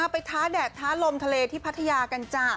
ไปทาแดกทาลมทะเลที่ปทยากันจ้ะ